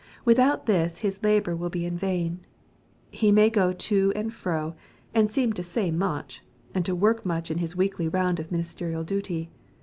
Without this his labor wiU be in vain. He may go to and fro, and seem to say much, and to work mucli in his weekly round of ministerial duty.